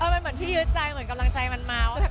เออมันเหมือนที่ยืดใจเหมือนกำลังใจมันมา